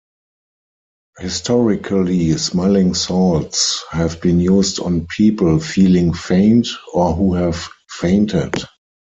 Historically, smelling salts have been used on people feeling faint, or who have fainted.